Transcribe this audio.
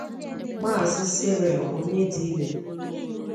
Maazị Cyril Onyedibe.